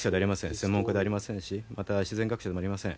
専門家でありませんしまた自然学者でもありません。